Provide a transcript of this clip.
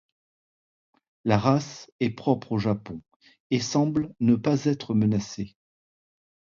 La race est propre au Japon, et semble ne pas être menacée.